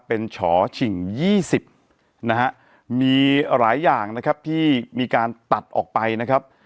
เป็นฉอฉิ่ง๒๐นะฮะมีหลายอย่างนะครับที่มีการตัดออกไปนะครับ